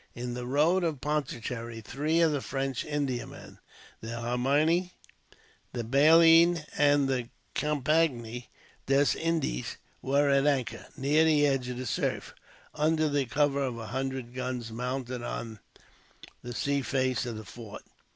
In the road of Pondicherry three of the French Indiamen, the Hermione, Baleine, and the Compagnie des Indes, were at anchor, near the edge of the surf, under the cover of a hundred guns mounted on the sea face of the fort.